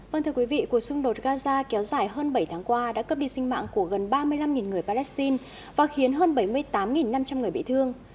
vâng thưa quý vị cuộc xung đột gaza kéo dài hơn bảy tháng qua đã cấp đi sinh mạng của gần ba mươi năm người palestine và khiến hơn bảy mươi tám năm trăm linh người bị thương